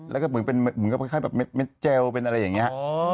แล้วก็เหมือนกับเม็ดเจลเป็นอะไรอย่างนี้